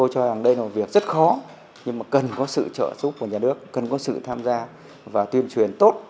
và đây là một việc rất khó nhưng mà cần có sự trợ giúp của nhà nước cần có sự tham gia và tuyên truyền tốt